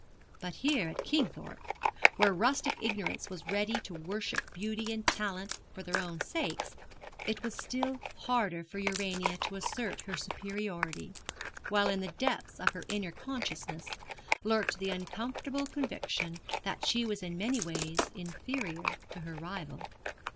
But here at Kingthorpe, where rustic ignorance was ready to worship beauty and talent for their own sakes, it was still harder for Urania to assert her superiority; while in the depths of her inner consciousness lurked the uncomfortable conviction that she was in many ways inferior to her rival.